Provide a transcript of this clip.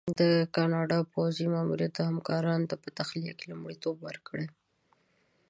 د کاناډا پوځي ماموریت همکارانو ته یې په تخلیه کې لومړیتوب ورکړی.